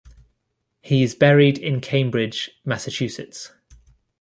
He is buried in Cambridge, Massachusetts.